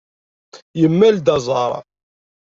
Yemmal-d aẓar.